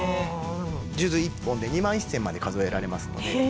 数珠１本で２万１０００まで数えられますので。